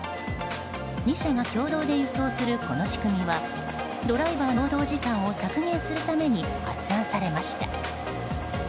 ２社が共同で輸送するこの仕組みはドライバーの労働時間を削減するために発案されました。